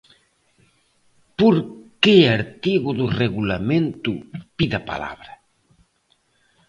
¿Por que artigo do Regulamento pide a palabra?